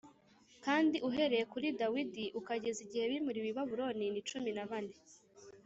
kandi uhereye kuri Dawidi ukageza igihe bimuriwe i Babuloni ni cumi na bane